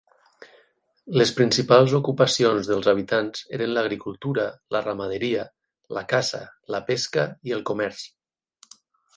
Les principals ocupacions dels habitants eren l'agricultura, la ramaderia, la caça, la pesca i el comerç.